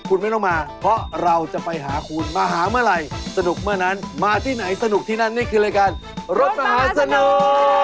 คุณไม่ต้องมาเพราะเราจะไปหาคุณมหาเมื่อไหร่สนุกเมื่อนั้นมาที่ไหนสนุกที่นั่นนี่คือรายการรถมหาสนุก